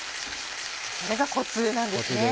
それがコツなんですね。